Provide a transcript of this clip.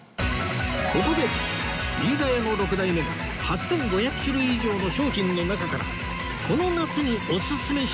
ここで飯田屋の６代目が８５００種類以上の商品の中からこの夏におすすめしたいアイテム